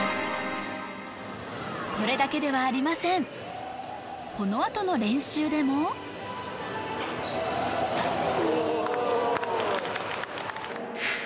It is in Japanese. これだけではありませんこのあとの練習でも・うおっ